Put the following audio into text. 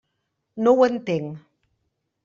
No ho entenc.